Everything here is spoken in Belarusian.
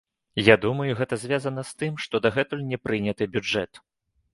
Я думаю, гэта звязана з тым, што дагэтуль не прыняты бюджэт.